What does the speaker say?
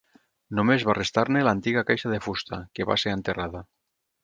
Només va restar-ne l'antiga caixa de fusta, que va ser enterrada.